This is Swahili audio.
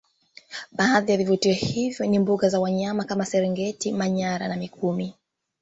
Baadhi ya vivutio hivyo ni mbuga za wanyama kama serengeti manyara na mikumi